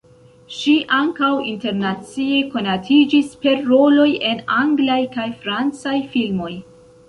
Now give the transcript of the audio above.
Ŝi ankaŭ internacie konatiĝis per roloj en anglaj kaj francaj filmoj.